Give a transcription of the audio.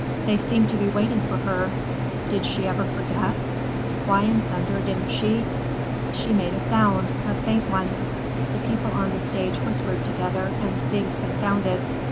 They seemed to be waiting for her. Did she ever forget? Why in thunder didn't she—She made a sound, a faint one. The people on the stage whispered together and seemed confounded.